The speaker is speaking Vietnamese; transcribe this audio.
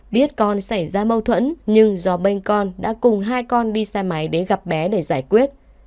biết con xảy ra mâu thuẫn nhưng do bênh con đã cùng hai con đi xa máy để gặp bé để giải quyết